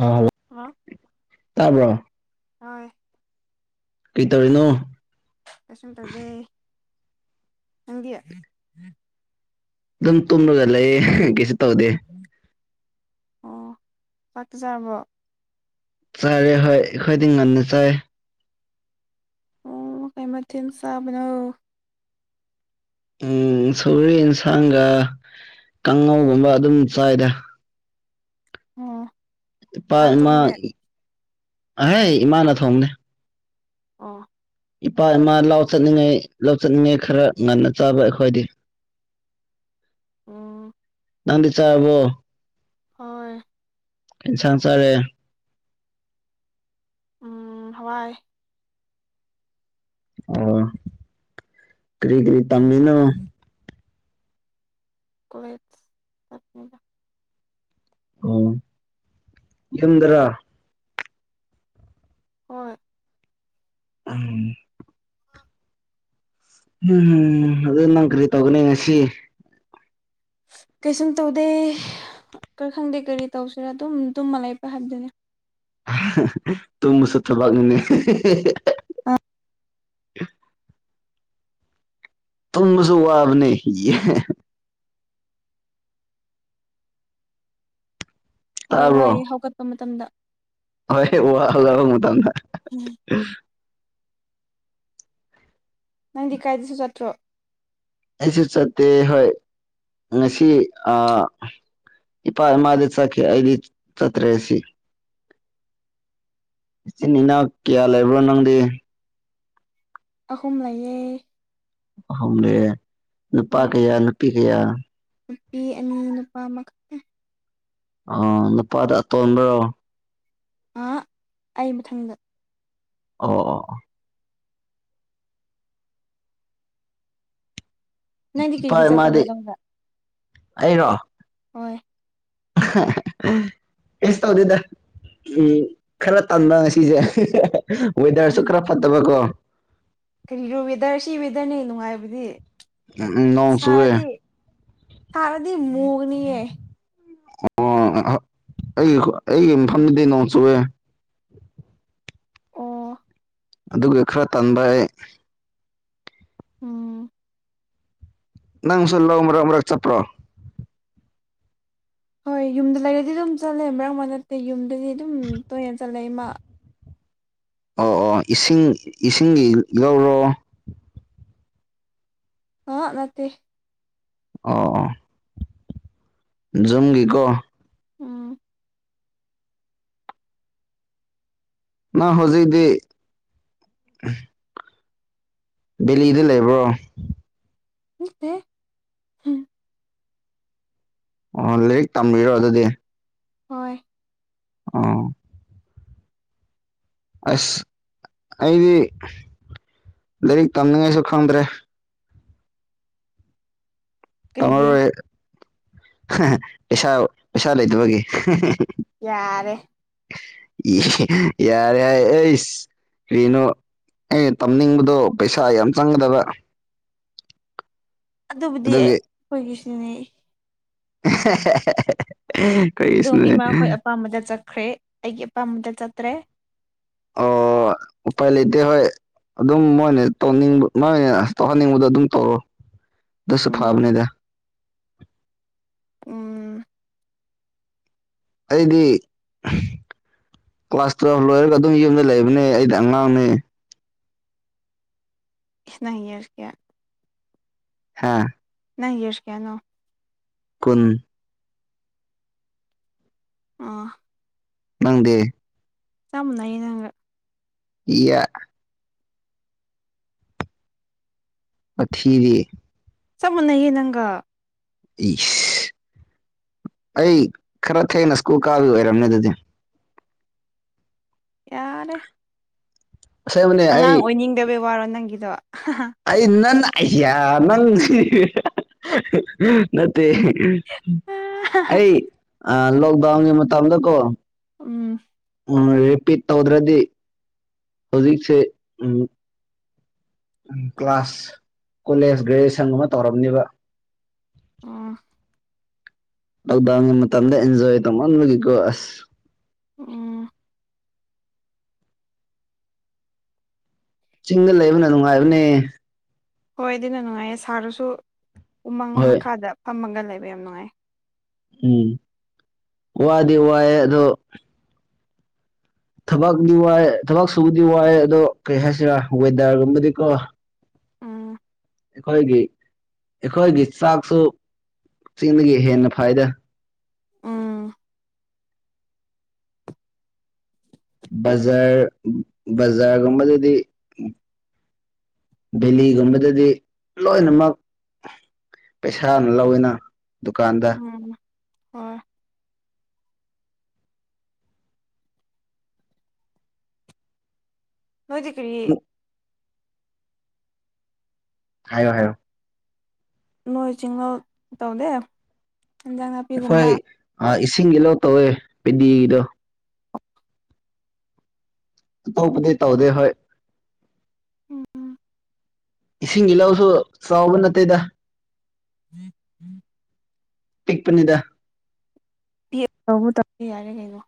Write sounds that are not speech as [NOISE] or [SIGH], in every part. ꯑꯥ hello hello ꯇꯥꯏꯌꯦ ꯀꯩꯇꯧꯔꯤꯅꯣ ꯀꯩꯁꯨꯝ ꯇꯧꯗꯦ ꯅꯪꯗꯤ ꯑꯗꯨꯝ ꯇꯨꯝꯔꯒ ꯂꯩꯌꯦ ꯀꯩꯁꯨ ꯇꯧꯗꯦ ꯑꯣ ꯆꯥꯛꯇꯤ ꯆꯥꯔꯕꯣ ꯆꯥꯔꯦ ꯍꯣꯏ ꯑꯩꯈꯣꯏꯗꯤ ꯉꯟꯅ ꯆꯥꯏ ꯑꯣ ꯀꯩ ꯃꯊꯦꯜ ꯆꯥꯕꯅꯣ ꯎꯝ ꯁꯧꯒ꯭ꯔꯤ ꯌꯦꯟꯁꯥꯡꯒ ꯀꯥꯡꯉꯧꯒꯨꯝꯕ ꯑꯗꯨꯝ ꯆꯥꯏꯗ [UNINTELLIGIBLE] ꯏꯄꯥ ꯀꯅꯥꯅ ꯏꯃꯥ ꯊꯣꯡꯒꯦ ꯍꯥꯏ ꯏꯃꯥꯅ ꯊꯣꯡꯕꯅꯦ ꯑꯣ ꯏꯄꯥ ꯏꯃꯥ ꯂꯥꯎ ꯆꯠꯅꯤꯡꯉꯩ ꯂꯥꯎ ꯆꯠꯅꯤꯡꯉꯩ ꯈꯔ ꯉꯟꯅ ꯆꯥꯕ ꯑꯩꯈꯣꯏꯗꯤ ꯑꯝ ꯅꯪꯗꯤ ꯆꯥꯔꯕꯣ ꯍꯣꯏ ꯏ ꯁꯁꯔꯦ ꯎꯝ ꯍꯋꯥꯏ ꯑꯣ ꯀꯔꯤ ꯀꯔꯤ ꯇꯝꯝꯕꯕꯤꯅ ꯀꯣꯂꯦꯠꯁ ꯆꯠꯄꯅꯤꯗ ꯑꯣ ꯌꯨꯝꯗꯔꯣ ꯍꯣꯏ ꯎꯝ [UNINTELLIGIBLE] ꯎꯝꯝ ꯑꯗꯨ ꯅꯪ ꯀꯔꯤ ꯇꯧꯒꯅꯤ ꯉꯁꯤ ꯀꯩꯁꯨꯝ ꯇꯧꯗꯦ ꯈꯔ ꯈꯪꯗꯦ ꯀꯔꯤ ꯇꯧꯁꯤꯔꯥ ꯑꯗꯨꯝ ꯇꯝꯃ ꯂ ꯂꯩꯄ ꯍꯥꯏꯕꯗꯨꯅꯤ ꯇꯨꯃꯨꯁꯨ ꯊꯕꯥꯛꯅꯤꯅꯦ [UNINTELLIGIBLE] ꯇꯨꯝꯕꯁꯨ ꯋꯥꯕꯅꯦ ꯍꯣꯏ ꯇꯥꯕ꯭ꯔꯣ ꯋꯥꯏ ꯍꯧꯒꯠꯄ ꯃꯇꯝꯗ ꯍꯣꯏ ꯋꯥꯜꯂꯕ ꯃ ꯃꯇꯝꯗ ꯎꯝ ꯎ ꯅꯪꯗꯤ ꯀꯥꯏꯗꯁꯨ ꯆꯠꯇ꯭ꯔꯣ ꯑꯩꯁꯨ ꯆꯠꯇꯦ ꯍꯣꯏ ꯉꯁꯤ ꯏꯄꯥ ꯏꯃꯥꯗꯤ ꯆꯈꯦ ꯑꯩꯗꯤ ꯆꯠꯇ꯭ꯔꯦꯁꯤ ꯏꯆꯤꯟ ꯏꯅꯥꯎ ꯀꯤꯌꯥ ꯂꯩꯕ꯭ꯔꯣ ꯅꯪꯗꯤ ꯑꯍꯨꯝ ꯂꯩꯌꯦ [UNINTELLIGIBLE] ꯅꯨꯄꯥ ꯍꯣꯏ ꯀꯌꯥ ꯅꯨꯄꯤ ꯀꯌꯥ ꯅꯨꯄꯤ ꯑꯅꯤ ꯅꯨꯄꯥ ꯑꯃꯈꯛꯇ ꯑ ꯅꯨꯄꯥꯗ ꯑꯇꯣꯟꯕ꯭ꯔꯣ ꯑ ꯑꯩ ꯃꯊꯪꯗ ꯑꯣ ꯑꯣ ꯅꯪꯗꯤ ꯏꯐ ꯀꯔꯤꯒꯤ ꯆꯠꯇꯕ꯭ꯔꯣ ꯃꯥꯗꯤ ꯅꯪꯗ ꯑꯩꯔꯣ ꯍꯣꯏ ꯀꯁ ꯇꯧꯗꯣꯏꯗ ꯎꯝ ꯈꯔ ꯇꯟꯥꯟꯕ ꯉꯁꯤꯁꯦ ꯋꯦꯗꯔꯁꯨ ꯈꯔ ꯐꯠꯇꯕ ꯀꯣ ꯀꯔꯤꯔꯣ ꯋꯦꯗꯔ ꯁꯤ ꯋꯦꯗꯔꯅꯤ ꯅꯨꯡꯉꯥꯏꯕꯗꯤ ꯎꯝ ꯅꯣꯡ ꯆꯨꯑꯦ ꯁꯥꯔꯗꯤ [UNINTELLIGIBLE] ꯃꯨꯒꯅꯤꯌꯦ ꯑꯣ ꯑꯩꯒꯤ ꯑꯩꯒꯤ ꯃꯐꯝꯗꯤ ꯅꯣꯡ ꯆꯨꯑꯦ ꯑꯣ ꯑꯗꯨꯒ ꯈꯔ ꯇꯟꯕ ꯏꯩ ꯎꯝ ꯅꯪꯁꯨ ꯂꯧ ꯃꯔꯛ ꯃꯔꯛ ꯆꯠꯄ꯭ꯔꯣ ꯍꯣꯏ ꯌꯨꯝꯗ ꯂꯩꯔꯗꯤ ꯑꯗꯨꯝ ꯆꯠꯂꯦ ꯃꯔꯛ ꯃꯔ ꯅꯠꯇꯦ ꯌꯨꯝꯗꯗꯤ ꯑꯗꯨꯝ ꯇꯣꯏꯅ ꯆꯠꯂꯦ ꯏꯃꯥ ꯑꯣ ꯑꯣ ꯏꯁꯤꯡ ꯏꯁꯤꯡꯒꯤ ꯂꯧꯔꯣ ꯑ ꯅꯠꯇꯦ ꯑꯣ ꯖꯨꯝꯒꯤ ꯀꯣ ꯎꯝ ꯅ ꯍꯧꯖꯤꯛꯗꯤ ꯗꯤꯂꯤꯗ ꯂꯩꯕ꯭ꯔꯣ ꯅꯠꯇꯦꯍꯦ ꯑꯣ ꯂꯥꯏꯔꯤꯛ ꯇꯝꯕꯤꯔꯣ ꯑꯗꯨꯗꯤ ꯍꯣꯏ ꯑ ꯑꯁ ꯑꯩꯗꯤ ꯂꯥꯏꯔꯤꯛ ꯇꯝꯅꯉꯥꯏꯁꯨ ꯈꯪꯗ꯭ꯔꯦ ꯀꯔꯤꯒꯤ ꯇꯝꯃꯔꯣꯏ ꯄꯩꯁꯥ ꯄꯩꯁꯥ ꯂꯩꯇꯕꯒꯤ ꯌꯥꯔꯦ ꯏ ꯌꯥꯔꯁ ꯄꯅꯣ ꯑꯦ ꯇꯝꯅꯤꯡꯕꯗꯣ ꯄꯩꯁꯥ ꯌꯥꯝ ꯆꯪꯒꯗꯕ ꯑꯗꯨꯕꯨꯗꯤ ꯑꯗꯨꯒꯤ ꯑꯩꯈꯣꯏꯒꯤꯁꯤꯅꯤ ꯎꯝ ꯑꯗꯨꯝ ꯏꯃꯥꯈꯣꯏ ꯑꯄꯥꯝꯕꯗ ꯆꯠꯈ꯭ꯔꯦ ꯑꯩꯒꯤ ꯑꯄꯥꯝꯕꯗ ꯆꯠꯇ꯭ꯔꯦ ꯑꯣ ꯎꯄꯥꯏ ꯂꯩꯇ ꯍꯣꯏ ꯑꯗꯨꯝ ꯃꯣꯏꯅ ꯇꯧꯅꯤꯡꯕ ꯃꯣꯏꯅ ꯇꯧꯍꯟꯅꯤꯡꯕꯗꯣ ꯑꯗꯨꯝ ꯇꯧꯔꯣ ꯑꯗꯨꯁꯨ ꯎꯝ ꯐꯕꯅꯤꯗ ꯎꯝ ꯑꯩꯗꯤ [UNINTELLIGIBLE] ꯀ꯭ꯂꯥꯁ ꯇꯨꯌꯦꯜꯕ ꯂꯣꯏꯔꯒ ꯑꯗꯨꯝ ꯌꯨꯝꯗ ꯂꯩꯕꯅꯦ ꯑꯩꯗꯤ ꯑꯉꯥꯡꯅꯦ [UNINTELLIGIBLE] ꯍꯥꯥ ꯅꯪ ꯌꯁ ꯀꯌꯥꯅꯣ ꯀꯨꯟ ꯑꯥ ꯅꯪꯗꯦ ꯆꯝ ꯂꯩꯥꯏ ꯅꯉꯒ ꯏꯌꯥ ꯋꯥꯊꯤꯗꯤ ꯆꯞ ꯃꯥꯟꯅꯩꯌꯦ ꯅꯪꯒ ꯏꯁ ꯑꯩ ꯈꯔ ꯊꯦꯡꯅ ꯁ꯭ꯀꯨꯜ ꯀꯥꯕꯩ ꯑꯣꯏꯔꯝꯃꯦ ꯑꯗꯨꯗꯤ ꯌꯥꯔꯦ ꯑꯁꯦꯡꯕꯅꯦ ꯑꯩ ꯑꯉꯥꯡ ꯑꯣꯏꯅꯤꯡꯗꯕꯩ ꯋꯥꯔꯣ ꯅꯪꯒꯤꯗꯣ ꯑꯩ ꯅꯪ ꯑꯌꯥ ꯅꯪꯝ ꯅꯠꯇꯦ ꯑꯩ ꯂꯣꯛꯗꯥꯎꯟꯒꯤ ꯃꯇꯝꯗ ꯀꯣ ꯎꯝ ꯎ ꯔꯤꯄꯤꯠ ꯇꯧꯗ꯭ꯔꯗꯤ ꯍꯧꯖꯤꯛꯁꯦ ꯎꯝ ꯎ ꯀ꯭ꯂꯥꯁ ꯀꯣꯂꯦꯖ ꯒ꯭ꯔꯦꯖꯨꯦꯁꯟ ꯑꯃ ꯇꯧꯔꯝꯅꯤꯕ ꯎꯝ ꯑꯗ ꯃ ꯃꯇꯝꯗ ꯑꯦꯟꯖꯣ ꯇꯃꯣꯣꯁ ꯎꯝ ꯆꯤꯡꯗ ꯂꯩꯕꯅ ꯅꯨꯡꯉꯥꯏꯕꯅꯦ ꯍꯣꯏ ꯑꯗꯨꯅ ꯅꯨꯡꯉꯥꯏꯌꯦ ꯁꯥꯔꯁꯨ ꯎꯃꯪ ꯍꯣꯏ ꯃꯈꯥꯗ ꯐꯝꯃꯒ ꯂꯩꯕ ꯌꯥꯝ ꯅꯨꯡꯉꯥꯏ ꯎꯝ ꯋꯥꯗꯤ ꯋꯥꯑꯦ ꯑꯗꯣ ꯊꯕꯛꯗꯤ ꯋꯥꯏ ꯊꯕꯛ ꯁꯨꯕꯗꯤ ꯋꯥꯏ ꯑꯗꯣ ꯀꯔꯤ ꯍꯥꯏꯁꯤꯔꯥ ꯋꯦꯗꯔꯒꯨꯝꯕꯗꯤꯀꯣ ꯎꯝ ꯑꯩꯈꯣꯏꯒꯤ ꯑꯩꯈꯣꯏꯒꯤ ꯆꯥꯛꯁꯨ ꯆꯤꯡꯗꯒꯤ ꯍꯦꯟꯅ ꯐꯥꯏꯗ ꯎꯝ ꯕꯖꯥꯔ ꯕꯖꯥꯔꯒꯨꯝꯕꯗꯗꯤ ꯚꯦꯂꯤꯒꯨꯝꯕꯗꯗꯤ ꯂꯣꯏꯅꯃꯛ ꯄꯩꯁꯥꯅ ꯂꯧꯋꯅ ꯎꯝ ꯍꯣꯏ ꯅꯣꯏꯗꯤ ꯀꯔꯤ ꯎꯝ ꯍꯥꯏꯌꯣ ꯍꯥꯏꯌꯣ ꯃꯣꯏ ꯆꯤꯡ ꯉꯧ ꯇꯧꯗꯦ ꯏꯟꯖꯥꯡ ꯑꯩꯈꯣꯏ ꯅꯥꯄꯤꯒꯨꯝꯕ ꯑ ꯏꯁꯤꯡꯒꯤ ꯂꯧ ꯇꯧꯋꯦ ꯄꯦꯗꯤꯒꯤꯗꯣ ꯑꯇꯣꯞꯄꯗꯤ ꯇꯧꯗꯦ ꯍꯣꯏ ꯎꯝ ꯏꯁꯤꯡꯒꯤ ꯂꯧꯁꯨ ꯆꯥꯎꯕ ꯅꯠꯇꯦꯗ [INAUDIBLE] ꯄꯤꯛꯄꯅꯤꯗ [UNINTELLIGIBLE] ꯌꯥꯔꯦ ꯀꯩꯅꯣ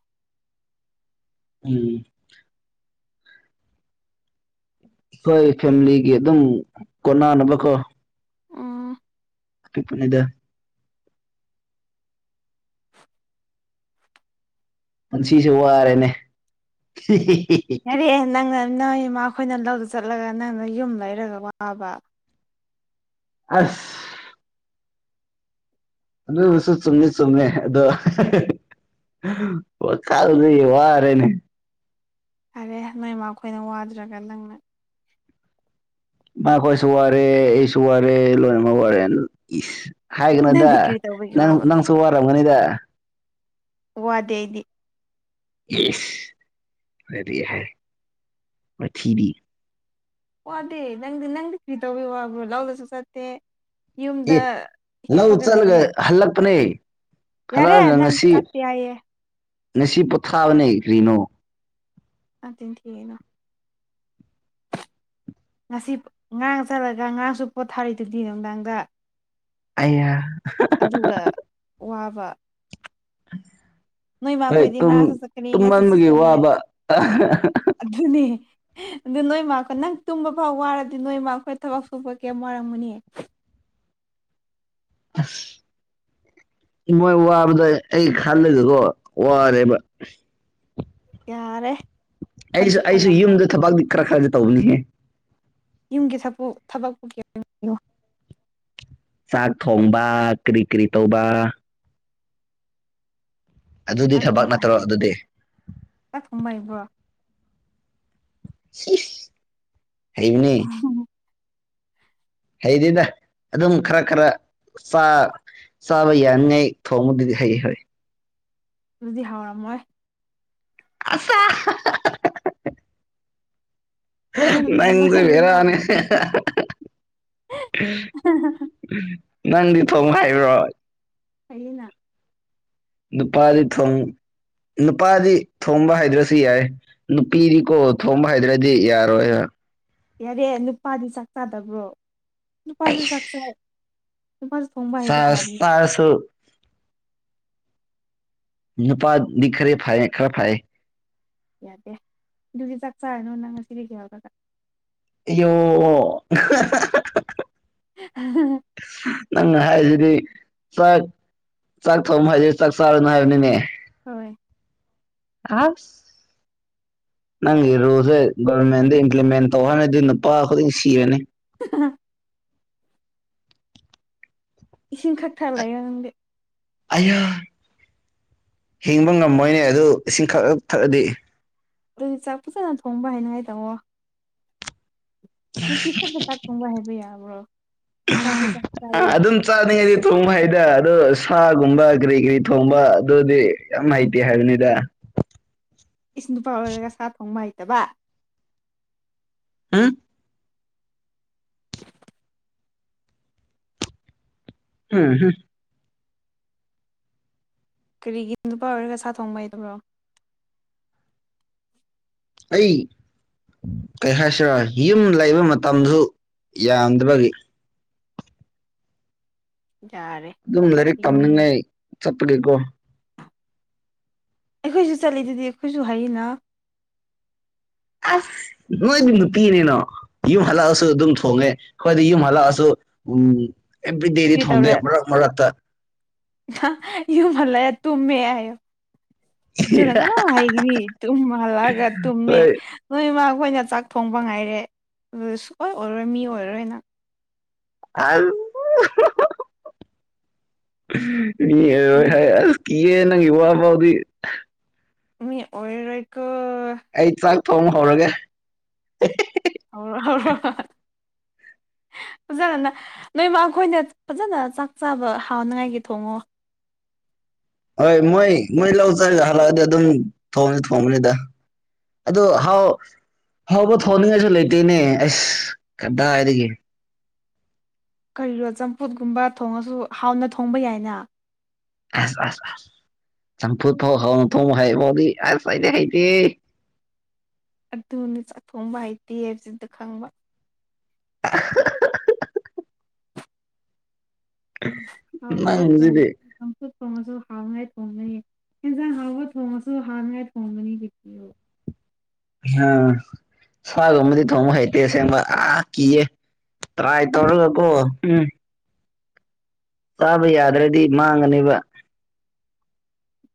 ꯎꯝ ꯑꯩꯈꯣꯏ ꯐꯦꯝꯂꯤꯒꯤ ꯑꯗꯨꯝ ꯀꯣꯟꯅꯅꯕꯀꯣ ꯎꯝ ꯄꯤꯛꯄꯅꯦꯗ ꯄꯨꯟꯁꯤꯁꯦ ꯋꯥꯔꯦꯅꯦ ꯌꯥꯔꯦ ꯑꯦ ꯅꯪꯅ ꯅꯣꯏ ꯏꯃꯥ ꯈꯣꯏꯅ ꯂꯧꯗ ꯆꯠꯂꯒ ꯅꯪꯅ ꯌꯨꯝ ꯂꯩꯔꯒ ꯋꯥꯕ ꯑꯁ ꯑꯗꯨꯁꯨ ꯆꯨꯝꯃꯤ ꯆꯨꯝꯃꯦ ꯑꯗꯣ ꯋꯥꯈꯜꯗꯤ ꯋꯥꯔꯦꯅꯦ ꯌꯥꯔꯦ ꯅꯣꯏꯃꯥ ꯈꯣꯏꯅ ꯋꯥꯗ꯭ꯔꯒ ꯅꯪꯅ ꯏꯃꯥꯈꯣꯏꯁꯨ ꯋꯥꯔꯦ ꯑꯩꯁꯨ ꯋꯥꯔꯦ ꯂꯣꯏꯃ ꯋꯥꯔꯦ ꯏꯁ ꯍꯥꯏꯒꯅꯣꯗ ꯅꯪꯗꯤ ꯀꯔꯤ ꯇꯧꯕꯒꯤ ꯅꯪ ꯋꯥꯕ ꯅꯪꯁꯨ ꯋꯥꯔꯝꯒꯅꯤꯗ ꯋꯥꯗꯦ ꯑꯩꯗꯤ ꯏꯁ [UNINTELLIGIBLE] ꯋꯥꯊꯤꯕꯤ ꯋꯥꯗꯦ ꯅꯪꯗꯤ ꯅꯪꯗꯤ ꯀꯔꯤ ꯇꯧꯕꯩ ꯋꯥꯕ꯭ꯔꯣ ꯂꯧꯗꯁꯨ ꯆꯠꯇꯦ ꯌꯨꯝꯗ ꯑꯦ ꯂꯧ ꯍꯤꯞꯄꯒ ꯆꯠꯂꯒ ꯂꯩꯌꯦ ꯍꯜꯂꯛꯄꯅꯦ ꯌꯥꯔꯦ ꯍꯜꯂꯛꯑꯒ ꯅꯪ ꯉꯁꯤ ꯆꯥꯛꯇꯦ ꯍꯥꯏꯌꯦ ꯉꯁꯤ ꯄꯣꯊꯥꯕꯅꯦ ꯀ꯭ꯔꯤꯅꯣ ꯑꯆꯤꯟ ꯊꯤꯒꯅꯣ ꯉꯁꯤ ꯉꯥ ꯆꯠꯂꯒ ꯉꯔꯥꯡꯁꯨ ꯄꯣꯊꯥꯔꯤꯗꯨꯗꯤ ꯅꯨꯡꯗꯥꯡꯗ ꯑꯩꯌꯥ ꯑꯗꯨꯒ ꯋꯥꯕ ꯅꯣꯏ ꯍꯣꯏ ꯃꯥꯈꯣꯏꯗꯤ ꯇꯨꯝ ꯉꯔꯥꯡꯁꯨ ꯆꯠꯀꯅꯤ ꯉꯁꯤꯁꯨ ꯇꯨꯝꯃꯟꯕꯒꯤ ꯆꯠꯂꯦ ꯋꯥꯕ ꯑꯗꯨꯅꯦ ꯑꯗꯨ ꯅꯣꯏꯃꯀꯣ ꯅꯪ ꯇꯨꯝꯕ ꯐꯥꯎ ꯋꯥꯔꯗꯤ ꯅꯣꯏꯃꯥ ꯈꯣꯏ ꯊꯕꯛ ꯁꯨꯕ ꯀꯩꯌꯥꯝ ꯋꯥꯔꯝꯒꯅꯤ ꯑꯁ ꯃꯣꯏ ꯋꯥꯕꯗꯣ ꯑꯩ ꯈꯜꯂꯒꯀꯣ ꯋꯥꯔꯦꯕ ꯌꯥꯔꯦ ꯑꯩꯁꯨ ꯈꯟꯁꯨ ꯑꯩꯁꯨ ꯈꯜꯂꯝꯃꯣ ꯌꯨꯝꯗ ꯊꯕꯛꯗꯤ ꯈꯔ ꯈꯔꯗꯤ ꯇꯧꯕꯅꯤꯍꯦ ꯌꯨꯝꯒꯤ ꯊꯄꯨ ꯊꯕꯛꯄꯨ [UNINTELLIGIBLE] ꯆꯥꯛ ꯊꯣꯡꯕ ꯀ꯭ꯔꯤ ꯀ꯭ꯔꯤ ꯇꯧꯕ ꯑꯗꯨꯗꯤ ꯆꯥꯛ ꯊꯕꯛ ꯊꯣꯡꯕ ꯅꯠꯇ꯭ꯔꯣ ꯍꯩꯕ꯭ꯔꯣ ꯑꯗꯨꯗꯤ ꯅꯪ ꯆꯥꯛ ꯊꯣꯡꯕ ꯍꯩꯕ꯭ꯔꯣ ꯁꯤꯁ ꯍꯩꯕꯅꯤ ꯍꯩꯗꯦꯗ ꯑꯗꯨꯝ ꯈꯔ ꯈꯔ ꯆꯥ ꯆꯥꯕ ꯌꯥꯅꯤꯡꯉꯥꯏ ꯊꯣꯡꯕꯗꯨꯗꯤ ꯍꯩ ꯍꯣꯏ ꯑꯗꯨꯗꯤ ꯍꯥꯎꯔꯝꯃꯣꯏ ꯑꯆꯥ ꯐꯖꯅ ꯊꯣꯡꯕ ꯅꯪꯁꯨ ꯍꯩꯔꯗꯤ ꯕꯦꯔꯥꯅꯦ ꯌꯥꯔꯕꯅꯤ ꯅꯪꯗꯤ ꯊꯣꯡꯕ ꯍꯩꯕ꯭ꯔꯣ ꯍꯩꯌꯦꯅ ꯅꯨꯄꯥꯗꯤ ꯊꯣꯡ ꯅꯨꯄꯥꯗꯤ ꯊꯣꯡꯕ ꯍꯩꯗ꯭ꯔꯁꯨ ꯌꯥꯏ ꯅꯨꯄꯤꯗꯤꯀꯣ ꯊꯣꯝꯕ ꯍꯩꯗ꯭ꯔꯗꯤ ꯌꯥꯔꯣꯏꯕ ꯌꯥꯔꯦ ꯅꯨꯄꯥꯗꯤ ꯆꯥꯛ ꯆꯥꯗꯕ꯭ꯔꯣ ꯅꯨꯄꯥꯁꯨ ꯆꯥꯛ ꯆꯥꯏ ꯅꯨꯄꯥꯁꯨ ꯊꯣꯡꯕ ꯍꯩꯕ ꯆꯥꯁ ꯇꯥꯕꯅꯤ ꯆꯥꯔꯁꯨ ꯅꯨꯄꯥꯗꯤ ꯈꯦꯔ ꯐꯥꯏꯌꯦ ꯈꯔ ꯐꯥꯏꯌꯦ ꯌꯥꯗꯦ ꯑꯗꯨꯗꯤ ꯆꯥꯛ ꯆꯥꯔꯅꯨ ꯅꯪ ꯉꯁꯤꯗꯒꯤ ꯍꯧꯔꯒ ꯑꯣꯌꯣ ꯑꯍ ꯍ ꯍ ꯍꯛ ꯑꯍꯑ ꯅꯪ ꯍꯥꯏꯁꯤꯗꯤ ꯆꯥꯛ ꯆꯥꯛ ꯊꯣꯡꯕ ꯍꯥꯏꯁꯦ ꯆꯥꯛ ꯆꯥꯔꯅꯨ ꯍꯥꯏꯕꯅꯤꯅꯦ ꯍꯣꯏ ꯑꯁ ꯅꯪꯒꯤ ꯔꯨꯜꯁꯦ ꯒꯔꯃꯦꯟꯗ ꯏꯝꯄ꯭ꯂꯤꯃꯦꯟ ꯇꯧꯍꯅꯗꯤ ꯅꯨꯄꯥ ꯈꯨꯗꯤꯡ ꯁꯤꯔꯅꯤ [UNINTELLIGIBLE] ꯏꯁꯤꯡ ꯈꯛꯊꯛ ꯂꯩꯑꯣ ꯅꯪꯗꯤ ꯑꯌꯥ ꯍꯤꯡꯕ ꯉꯝꯃꯣꯏꯅꯦ ꯑꯗꯨ ꯏꯁꯤꯡ ꯈꯛꯛ ꯊꯛꯑꯗꯤ ꯑꯗꯨꯗꯤ ꯆꯥꯛ ꯐꯖꯅ ꯊꯣꯡꯕ ꯍꯥꯏꯅꯉꯥꯏ ꯇꯥꯃꯣ ꯅꯨꯄꯤ ꯈꯛꯇ ꯆꯥꯛ ꯊꯣꯡꯕ ꯍꯥꯏꯕ ꯌꯥꯕ꯭ꯔꯣ ꯅꯨꯄꯥꯁꯨ ꯆꯥꯛ ꯆꯥꯏꯌꯦ ꯆꯥꯅꯤꯡꯉꯩꯗꯤ ꯊꯣꯡꯕ ꯍꯩꯗꯦ ꯑꯗꯣ ꯁꯥꯒꯨꯝꯕ ꯀꯤꯔꯤ ꯀꯤꯔꯤ ꯊꯣꯡꯕ ꯑꯗꯨꯗꯤ ꯌꯥꯝꯍꯩꯇꯦ ꯍꯥꯏꯕꯅꯤꯗ ꯏꯁ ꯅꯨꯄꯥ ꯑꯣꯏꯔꯒ ꯁꯥ ꯊꯣꯡꯕ ꯍꯩꯇꯕ ꯎꯝ ꯍꯨꯝ ꯍꯝ ꯀꯔꯤꯒꯤ ꯅꯨꯄꯥ ꯑꯣꯏꯔꯒ ꯁꯥ ꯊꯣꯡꯕ ꯍꯥꯏꯗꯕ꯭ꯔꯣ ꯑꯩ ꯀꯩ ꯍꯥꯏꯥꯏꯁꯤꯔ ꯌꯨꯝ ꯂꯩꯕ ꯃꯇꯝꯁꯨ ꯌꯥꯝꯗꯕꯒꯤ ꯌꯥꯔꯦ ꯑꯗꯨꯝ ꯂꯥꯏꯔꯤꯛ ꯌꯨꯝ ꯇꯝꯅꯤꯡꯉꯥꯏ ꯆꯠꯄꯒꯤꯀꯣ ꯑꯩꯈꯣꯏꯁꯨ ꯆꯠꯂꯤꯗꯨꯗꯤ ꯑꯩꯈꯣꯏꯁꯨ ꯍꯥꯏꯔꯤꯅ ꯑꯁ ꯅꯣꯏꯗꯤꯕꯨꯅꯨꯄꯤꯅꯦꯅꯣ ꯌꯨꯝ ꯍꯜꯂꯛꯑꯁꯨ ꯑꯗꯨꯝ ꯊꯣꯡꯉꯦ ꯑꯩꯈꯣꯏꯗꯤ ꯌꯨꯝ ꯍꯜꯂꯛꯑꯁꯨ ꯎꯝ ꯑꯦꯕꯔꯤ ꯗꯦꯗꯤ ꯀꯔꯤ ꯊꯣꯗꯦ ꯃ ꯔꯛ ꯃꯔꯛꯇ ꯌ ꯃꯂ ꯇꯨꯝ ꯍꯥꯏꯣ ꯄꯨ ꯅꯪꯀ ꯅ ꯍꯥꯏꯒꯔꯤ ꯇꯨꯝꯂꯒ ꯇꯨꯝꯃꯦ ꯍꯣꯏ ꯅꯣꯏ ꯏꯃꯥ ꯑꯩꯈꯣꯏꯅ ꯆꯥꯛ ꯊꯣꯡꯕ ꯉꯥꯏꯔꯦ ꯑꯗꯨ ꯁꯨꯀꯣꯏ ꯑꯣꯏꯔꯣꯏ ꯃꯤ ꯑꯣꯏꯔꯣꯏꯅ ꯑ ꯃꯤ ꯃꯤ ꯍꯥꯏ ꯑ ꯀꯤꯌꯦ ꯅꯪꯒꯤ ꯋꯥ ꯕꯥꯎꯗꯤ ꯃꯤ ꯑꯣꯏꯔꯔꯣꯏꯀꯣ ꯑꯩ ꯆꯥꯛ ꯊꯣꯡ ꯍꯧꯔꯒꯦ ꯑꯩꯅ ꯑꯍ ꯑꯍ ꯐꯖꯅꯅ ꯅꯣꯏꯃ ꯑꯩꯈꯣꯏꯅ ꯐꯖꯅ ꯆꯥꯛ ꯆꯥꯕ ꯍꯥꯎꯅꯉꯥꯏꯒꯤ ꯊꯣꯡꯉꯣ ꯍꯣꯏ ꯃꯣꯏ ꯃꯣꯏ ꯂꯧ ꯆꯔꯒ ꯍꯜꯂꯛꯑꯗꯤ ꯑꯗꯨꯝ ꯊꯣꯡꯅꯤ ꯊꯣꯡꯉꯅꯤꯗ ꯑ ꯍꯥꯎ ꯍꯥꯎꯕ ꯊꯣꯡꯅꯤꯡꯉꯥꯏꯁꯨ ꯂꯩꯇꯦꯅꯦ ꯑꯁ ꯀꯗꯥꯏꯗꯒꯤ ꯀꯔꯤꯔꯣ ꯆꯝꯐꯨꯠꯒꯨꯝꯕ ꯊꯣꯡꯉꯁꯨ ꯍꯥꯎꯅ ꯊꯣꯡꯕ ꯌꯥꯏꯅ ꯑꯁ ꯑꯁ ꯑꯁ ꯆꯝꯐꯨ ꯊꯣꯡ ꯍꯣꯡ ꯊꯣꯡ ꯍꯩꯕꯣꯗꯤ ꯑꯁ ꯍꯗꯤ ꯍꯩꯇꯦ ꯑꯗꯨꯅꯤ ꯆꯥꯛꯊꯣꯡꯕ ꯍꯥꯏꯩꯇꯦ ꯍꯥꯏꯕꯁꯤꯗ ꯈꯪꯕ ꯑꯍ ꯑꯍꯛ ꯑꯍꯛ ꯑꯍꯛ ꯍꯥꯎ ꯇꯕ ꯊꯣꯡꯏ ꯅꯪꯁꯤꯗꯤ ꯈꯨꯠ ꯊꯣꯡꯉꯁꯨ ꯍꯥꯡꯅꯉꯥꯏ ꯊꯣꯡꯒꯅꯤ ꯌꯦꯟꯖꯥꯡ ꯍꯥꯎꯕ ꯊꯣꯡꯉꯁꯨ ꯍꯥꯡꯅꯉꯥꯏ ꯊꯣꯡꯒꯅꯤ ꯀꯄꯤꯌꯨ [UNINTELLIGIBLE] ꯁꯥꯒꯨꯝꯕꯗꯤ ꯊꯣꯡꯕ ꯍꯩꯇꯦ ꯑꯁꯦꯡꯕ ꯑꯥ ꯀꯤꯌꯦ ꯇ꯭ꯔꯥꯏ ꯁꯤ ꯇꯧꯔꯒꯀꯣ ꯎꯝ ꯆꯥꯕ ꯌꯥꯗ꯭ꯔꯗꯤ ꯃꯥꯡꯒꯅꯦꯕ [UNINTELLIGIBLE]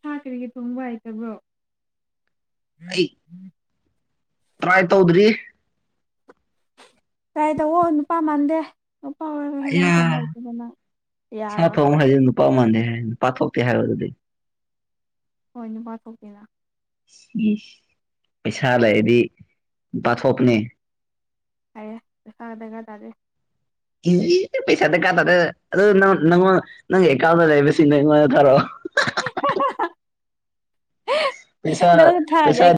ꯁꯥ ꯀꯔꯤꯒꯤ ꯊꯣꯡꯕ ꯍꯥꯏꯇꯕ꯭ꯔꯣ [INAUDIBLE] [INAUDIBLE] ꯇ꯭ꯔꯥꯏ ꯇꯧꯗ꯭ꯔꯤ ꯇ꯭ꯔꯥꯏ ꯇꯧꯑꯣ ꯅꯨꯄꯥ ꯃꯥꯟꯗꯦ ꯅꯨꯄꯥ ꯑꯣꯏꯔꯒ ꯍꯦꯟ ꯑꯌꯥ ꯖꯥꯡ ꯊꯣꯡꯕ ꯍꯩꯇꯕ ꯅꯪ ꯌꯥꯔꯣꯏ ꯑꯣ ꯍꯩꯌꯦ ꯅꯨꯞ ꯅꯨꯄꯥ ꯃꯥꯟꯗꯦꯍꯦ ꯅꯨꯄꯥ ꯊꯣꯛꯇꯦ ꯍꯥꯏꫪꯣꯗꯨꯗꯤ ꯍꯣꯏ ꯅꯨꯄꯥ ꯊꯣꯛꯇꯦꯅ ꯏꯁ ꯄꯩꯁꯥ ꯂꯩꯔꯗꯤ ꯅꯨꯄꯥ ꯊꯣꯛꯄꯅꯦ ꯍꯩꯔꯦ ꯅꯨꯄꯥꯗꫪꯀꯥ ꯇꯥꯗꯦ ꯏꯁ ꯏ ꯄꯩꯁꯥ ꯗꯥꯀꯥ ꯇꯥꯗꯦ ꯑꯗꯨ ꯅꯪ ꯅꯪꯉꯣꯟ ꯅꯪꯒꯤ ꯑꯦꯀꯥꯎꯟꯗ ꯂꯩꯕꯁꯤꯡꯗꯨ ꯑꯩꯉꯣꯟꯗ ꯊꯥꯔꯛꯑꯣ ꯍ ꯄꯩꯁꯥ ꯄꯩꯁꯥ